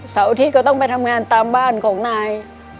เสาร์อาทิตย์ก็ต้องไปทำงานตามบ้านของนาย